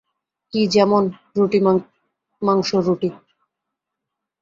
কি, যেমন, রুটি, মাংস, রুটি?